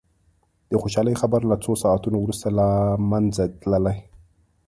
د خوشالي خبر له څو ساعتونو وروسته له منځه تللي.